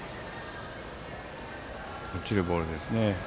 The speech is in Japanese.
落ちるボールですね。